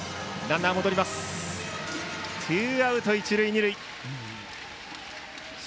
ツーアウト、一塁二塁。